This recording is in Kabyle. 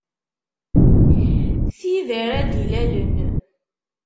Tid ara d-ilalen.